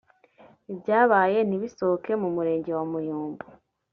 ibyabaye ntibisohoke mu murenge wa Muyumbu